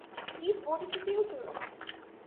eSport is the future!